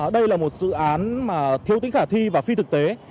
đây là một dự án mà thiếu tính khả thi và phi thực tế